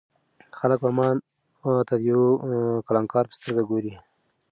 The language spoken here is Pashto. خلک به ما ته د یو کلانکار په سترګه ګوري.